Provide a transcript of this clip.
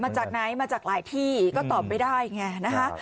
มาจากไหนมาจากหลายที่ก็ตอบไม่ได้ไงนะคะ